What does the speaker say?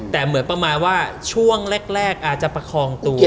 แต่เหมือนประมาณว่าช่วงแรกอาจจะประคองตัว